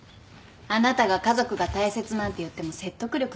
あなたが家族が大切なんて言っても説得力ゼロなんですけど。